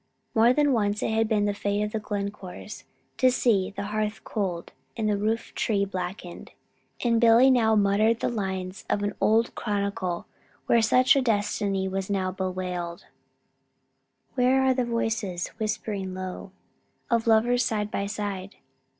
More than once had it been the fate of the Glencores to see "the hearth cold, and the roof tree blackened;" and Billy now muttered the lines of an old chronicle where such a destiny was bewailed: "Where are the voices, whispering low, Of lovers side by side?